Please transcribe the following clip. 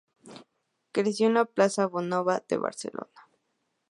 Creció en la plaza Bonanova de Barcelona.